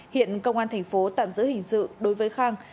hiện công an thành phố tạm giữ hình sự đối với khang